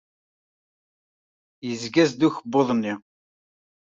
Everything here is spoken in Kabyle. Yezga-as-d ukebbuḍ-nni?